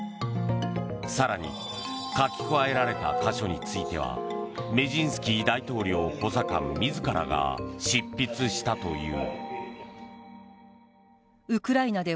更に書き加えられた箇所についてはメジンスキー大統領補佐官自らが執筆したという。